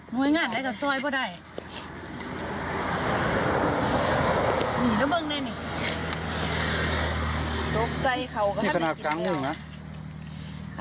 ไม่ขนาดกางมุ้งนะ